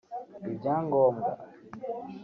ibyangombwa